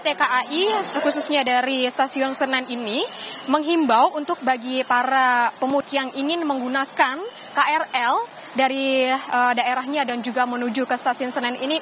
pt kai khususnya dari stasiun senen ini menghimbau untuk bagi para pemudik yang ingin menggunakan krl dari daerahnya dan juga menuju ke stasiun senen ini